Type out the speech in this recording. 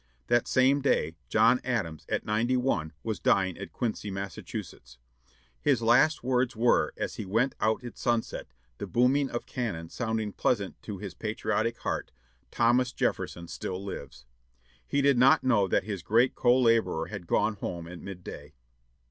That same day, John Adams, at ninety one, was dying at Quincy, Mass. His last words were, as he went out at sunset, the booming of cannon sounding pleasant to his patriotic heart, "Thomas Jefferson still lives." He did not know that his great co laborer had gone home at midday.